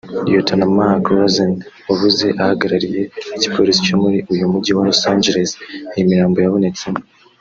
Liyetona Mark Rosen wavuze ahagarariye igipolisi cyo muri uyu mujyi wa Los Angeless iyi mirambo yabonetsemo